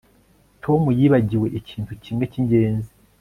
Tom yibagiwe ikintu kimwe cyingenzi